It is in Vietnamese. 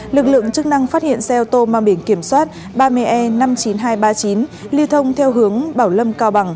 lực lượng chức năng phát hiện xe ô tô mang biển kiểm soát ba mươi e năm mươi chín nghìn hai trăm ba mươi chín lưu thông theo hướng bảo lâm cao bằng